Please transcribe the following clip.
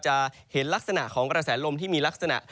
จะเห็นลักษณะของกระแสลมที่มีลักษณะ